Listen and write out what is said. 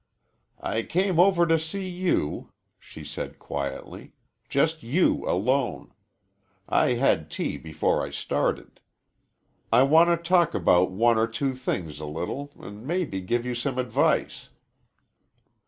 "I came over to see you," she said quietly, "just you alone. I had tea before I started. I want to talk about one or two things a little, an' mebbe to give you some advice."